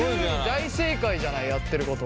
大正解じゃないやってること。